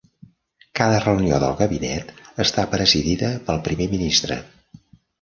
Cada reunió del gabinet està presidida pel Primer Ministre.